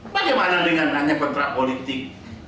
bagaimana dengan hanya kontrak politik